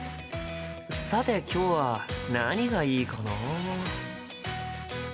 さて今日は何がいいかな？